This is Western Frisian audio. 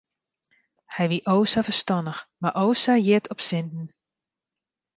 Hy wie o sa ferstannich mar o sa hjit op sinten.